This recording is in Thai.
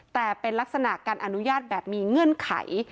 แต่เป็นลักษณะการอนุญาตแบบมีเงื่อนไข